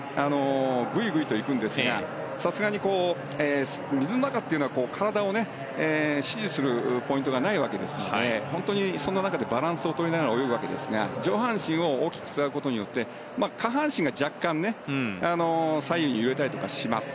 グイグイ行くんですがさすがに水の中というのは体を支持するポイントがないわけですので本当にその中でバランスを取りながら泳ぐわけですが上半身を大きく使うことによって下半身が若干左右に揺れたりします。